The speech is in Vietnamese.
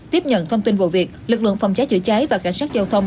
tiếp nhận thông tin vụ việc lực lượng phòng cháy chữa cháy và cảnh sát giao thông